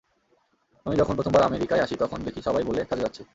আমি যখন প্রথমবার আমেরিকায় আসি তখন দেখি সবাই বলে কাজে যাচ্ছি।